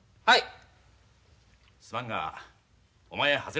はい。